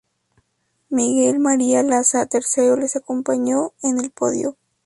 Miguel María Lasa, tercero, les acompañó en el podio.